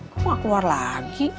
kok nggak keluar lagi